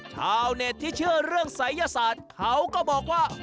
ชาวเน็ตที่เชื่อเรื่องศัยยศาสตร์เขาก็บอกว่า